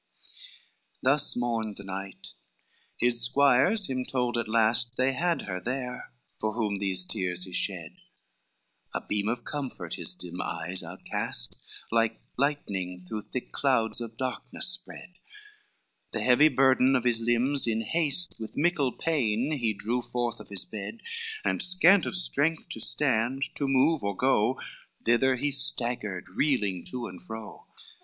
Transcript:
LXXX Thus mourned the knight, his squires him told at last, They had her there for whom those tears he shed; A beam of comfort his dim eyes outcast, Like lightning through thick clouds of darkness spread, The heavy burden of his limbs in haste, With mickle pain, he drew forth of his bed, And scant of strength to stand, to move or go, Thither he staggered, reeling to and fro.